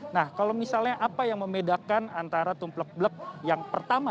nah kalau misalnya apa yang membedakan antara tumplek blek yang pertama